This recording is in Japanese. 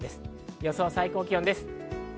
予想最高気温です。